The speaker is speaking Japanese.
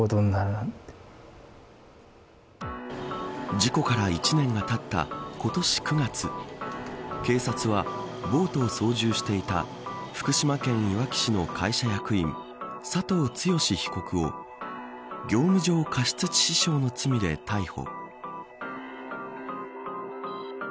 事故から１年がたった今年９月警察は、ボートを操縦していた福島県いわき市の会社役員佐藤剛被告を業務上過失致死傷の罪で逮捕。